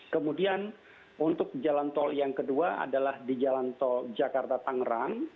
kemudian untuk jalan tol yang kedua adalah di jalan tol jakarta tangerang